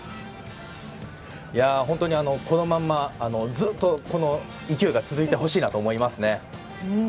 本当にこのままずっとこの勢いが続いてほしいと思いますね。